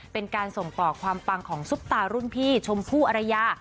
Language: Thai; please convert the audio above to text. เป็นการส่งต่อความปังของซุปตารุ่นพี่ชมพู่อรยา